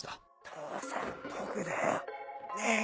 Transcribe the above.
父さん僕だよ